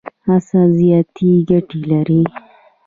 عسل زیاتي ګټي لري.